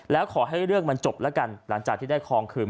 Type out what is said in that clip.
แล้วขอให้เรื่องมันจบแล้วกันหลังจากที่ได้คลองคืน